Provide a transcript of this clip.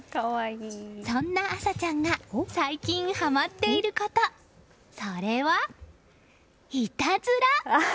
そんな安沙ちゃんが最近はまっていること、それはいたずら！